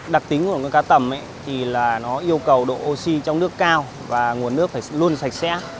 đặc tính của con cá tầm thì là nó yêu cầu độ oxy trong nước cao và nguồn nước phải luôn sạch sẽ